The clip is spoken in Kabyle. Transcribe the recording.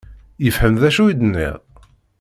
Yefhem d acu i d-nniɣ?